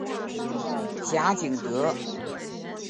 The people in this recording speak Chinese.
贾景德。